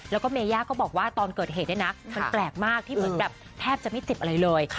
แล้วก็เมย่าก็บอกว่าตอนเกิดเหตุนั้นนะมันแปลกมากที่แทบจะไม่ติดอะไรเลย